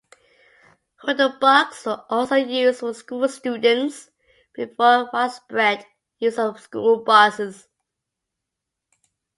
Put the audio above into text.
Hoodlebugs were also used for school students before the widespread use of school buses.